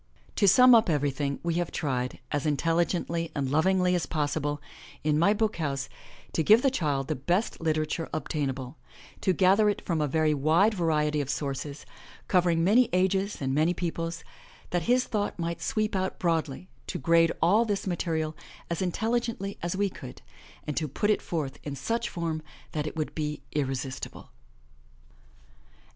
To sum up everything, we have tried, as intelligently and lov ingly as possible, in My BOOK HOUSE, to give the child the best literature obtainable, to gather it from a very wide variety of sources, covering many ages and many peoples, that his thought might sweep out broadly, to grade all this material as intelligently as we could, and to put it forth in such form that it would be irresistible.